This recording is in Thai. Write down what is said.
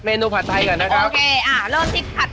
เอาอย่างนี้ดีกว่า